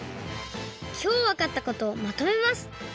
きょうわかったことをまとめます。